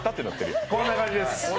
こんな感じです。